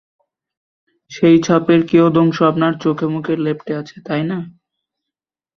সেই ছাপেরই কিয়দংশ আপনার চোখেমুখে লেপ্টে আছে, তাই না?